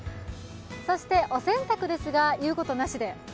お洗濯ですが、言うことなしで？